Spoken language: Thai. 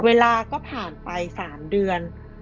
เวลาก็ผ่านไป๓เดือน